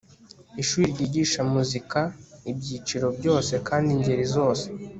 ishuri ryigisha muzika ibyiciro byose kandi ingeri zose